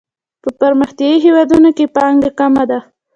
په پرمختیايي هیوادونو کې پانګه کمه ده.